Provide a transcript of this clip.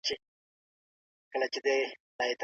په ناحقه خبرې مه کوئ.